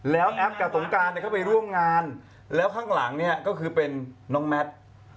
แล้วแอปกับสงการเข้าไปร่วมงานแล้วข้างหลังเนี่ยก็คือเป็นน้องแมท